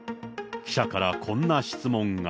記者からこんな質問が。